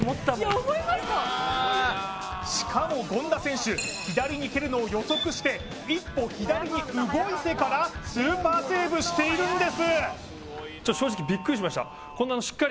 しかも権田選手、左に蹴るのを予測して一歩左に動いてからスーパーセーブしているんです。